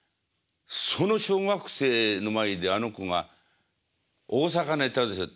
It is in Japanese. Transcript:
その小学生の前であの子が大阪ネタですよ